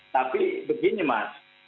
tapi begini mas